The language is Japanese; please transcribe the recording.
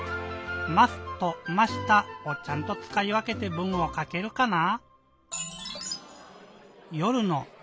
「ます」と「ました」をちゃんとつかいわけて文をかけるかな？